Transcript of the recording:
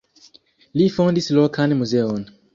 Li fondis lokan muzeon.